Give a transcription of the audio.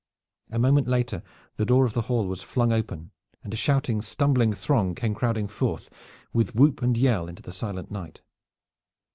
A moment later the door of the hall was flung open, and a shouting stumbling throng came crowding forth, with whoop and yell, into the silent night.